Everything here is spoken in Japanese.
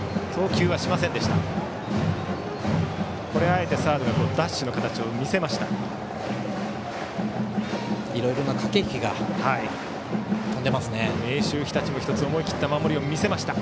あえてサードがダッシュの形を見せました。